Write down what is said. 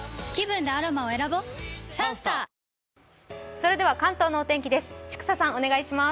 それでは関東のお天気です。